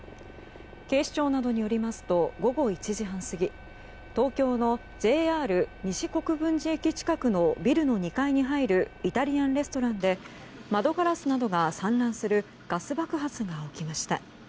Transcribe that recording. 警視庁などによりますと午後１時半過ぎ東京のＪＲ西国分寺駅近くのビルの２階に入るイタリアンレストランで窓ガラスなどが散乱するガス爆発が起きました。